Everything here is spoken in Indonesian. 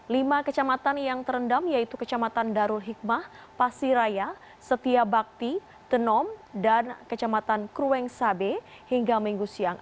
lima kecamatan yang terendam yaitu kecamatan darul hikmah pasiraya setia bakti tenom dan kecamatan krueng sabe hingga minggu siang